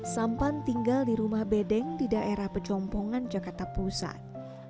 sampan tinggal di rumah bedeng di daerah pejompongan jakarta pusat